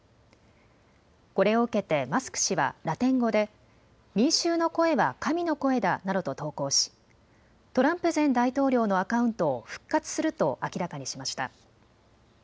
これを受けてマスク氏はラテン語で民衆の声は神の声だなどと投稿しトランプ前大統領のアカウントを復活すると明らかにしました。